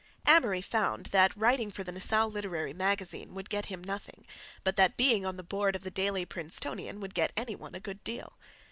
Amory found that writing for the Nassau Literary Magazine would get him nothing, but that being on the board of the Daily Princetonian would get any one a good deal.